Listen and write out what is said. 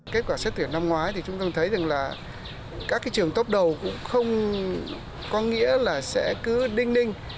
kết quả xét tuyển năm ngoái thì chúng ta thấy rằng là các trường tốt đầu cũng không có nghĩa là sẽ cứ đinh ninh